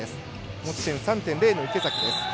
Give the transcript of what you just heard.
持ち点３．０の池崎。